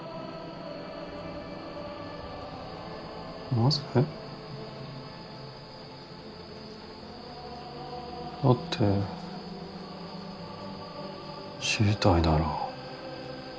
なぜ？だって知りたいだろ。